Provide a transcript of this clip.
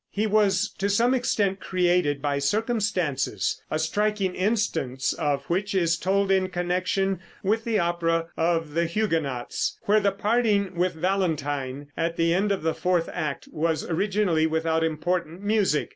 He was to some extent created by circumstances, a striking instance of which is told in connection with the opera of the "Huguenots," where the parting with Valentine at the end of the fourth act was originally without important music.